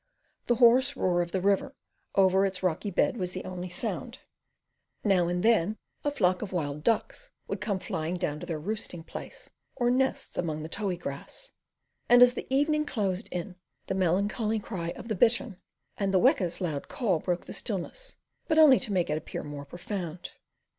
The hoarse roar of the river over its rocky bed was the only sound; now and then a flock of wild ducks would come flying down to their roosting place or nests among the Tohi grass; and as the evening closed in the melancholy cry of the bittern and the weka's loud call broke the stillness, but only to make it appear more profound.